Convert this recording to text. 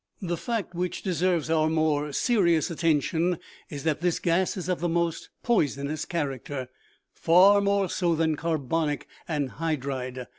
" The fact which deserves our more serious attention, is that this gas is of the most poisonous character far more so than carbonic anhydride.